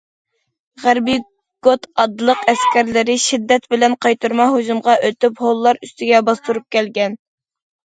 غەربىي گوت ئاتلىق ئەسكەرلىرى شىددەت بىلەن قايتۇرما ھۇجۇمغا ئۆتۈپ ھونلار ئۈستىگە باستۇرۇپ كەلگەن.